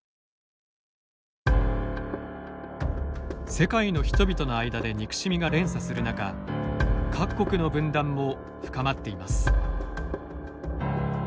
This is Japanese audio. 世界の人々の間で憎しみが連鎖する中各国の分断も深まっています。